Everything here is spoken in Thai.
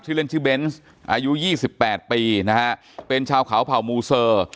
ชื่อเล่นชื่อเบนส์อายุยี่สิบแปดปีนะฮะเป็นชาวขาวเผ่ามูเสอ